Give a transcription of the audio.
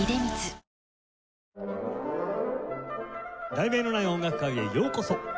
『題名のない音楽会』へようこそ！